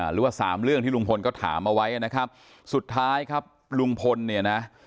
หรือว่าสามเรื่องที่ลุงพลก็ถามเอาไว้นะครับสุดท้ายครับลุงพลเนี่ยนะ